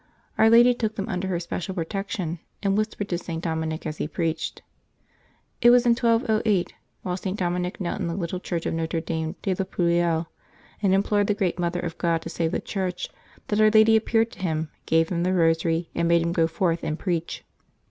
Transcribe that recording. Our Lady took them under her special protection, and whispered to St. Dominic as he preached. It was in 1208, while St. Dominic knelt in the little chapel of Notre Dame de la Prouille, and implored the great Mother of God to save the Church, that Our Lady appeared to him, gave him the Eosary, and bade him go forth and preach.